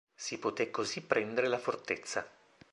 Si poté così prendere la fortezza.